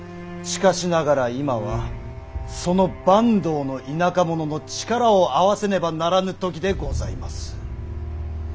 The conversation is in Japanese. しかしながら今はその坂東の田舎者の力を合わせねばならぬ時でございます。